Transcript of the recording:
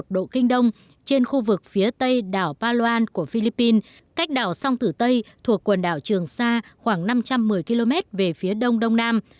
một độ kinh đông trên khu vực phía tây đảo palan của philippines cách đảo sông tử tây thuộc quần đảo trường sa khoảng năm trăm một mươi km về phía đông đông nam